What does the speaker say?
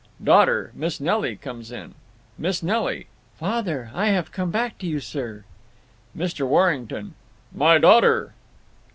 (Daughter, Miss Nelly, comes in.) Miss Nelly: Father, I have come back to you, sir. Mr. Warrington: My Daughter!